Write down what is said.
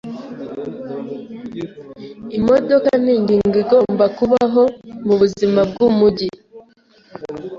Imodoka ningingo igomba kubaho mubuzima bwumujyi.